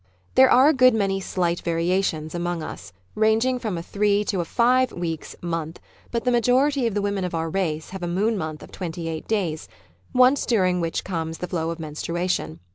There are a good many slight variations among us, ranging from a three to a five weeks "month," but the majority of the women of our race have a moon month of twenty eight days, once during which comes the flow of menstruation.